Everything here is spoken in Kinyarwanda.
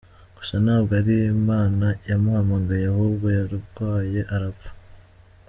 Gusa ntabwo ari imana yamuhamagaye, ahubwo yarwaye arapfa.